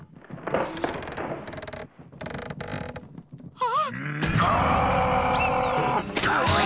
ああ！